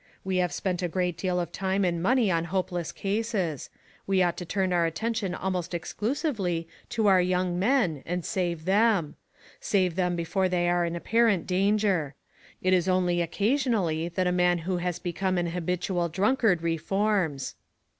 We have spent a great deal of time and money on hopeless cases. We ought to turn our attention almost exclusively to our young men, and save them; save them before they are in apparent danger. It is only occasion ally that a man who has become an habitul drunkard reforms."